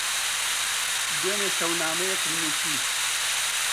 دوێنێ شەو نامەیەکم نووسی.